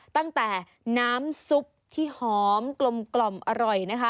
ตั้งแต่น้ำซุปที่หอมกลมอร่อยนะคะ